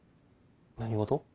何事？